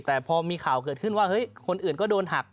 แต่พอมีข่าวเกิดขึ้นว่าเฮ้ยคนอื่นก็โดนหัก